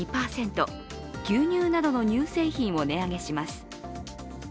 牛乳などの乳製品を値上げします。